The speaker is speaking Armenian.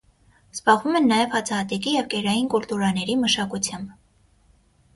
Զբաղվում են նաև հացահատիկի և կերային կուլտուրաների մշակությամբ։